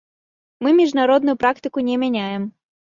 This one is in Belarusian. Мы міжнародную практыку не мяняем.